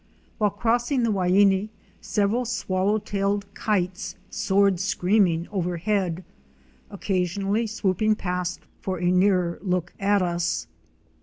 While crossing the Waini several Swallow tailed Kites * soared screaming overhead, occasionally swooping past for a nearer look at us.